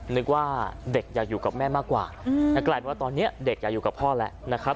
นึกว่าเด็กอยากอยู่กับแม่มากกว่ากลายเป็นว่าตอนนี้เด็กอยากอยู่กับพ่อแล้วนะครับ